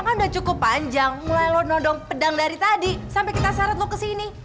kan saya sudah cukup panjang mulai lo nondong pedang dari tadi sampai kita syarat lo kesini